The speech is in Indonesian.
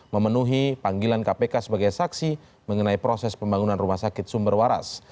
memenuhi panggilan kpk sebagai saksi mengenai proses pembangunan rumah sakit sumber waras